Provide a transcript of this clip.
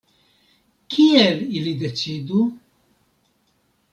Kiel ili decidu?